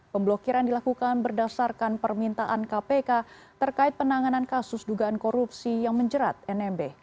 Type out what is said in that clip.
pemblokiran dilakukan berdasarkan permintaan kpk terkait penanganan kasus dugaan korupsi yang menjerat nmb